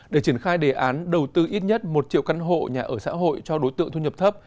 để triển khai đề án đầu tư ít nhất một triệu căn hộ nhà ở xã hội cho đối tượng thu nhập thấp